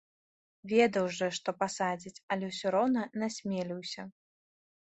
Ведаў жа, што пасадзяць, але ўсё роўна насмеліўся.